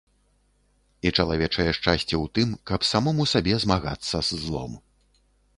І чалавечае шчасце ў тым, каб самому сабе змагацца з злом.